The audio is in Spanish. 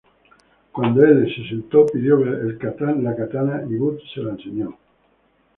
Cuando Elle se sentó, pidió ver la katana, y Budd se la enseñó.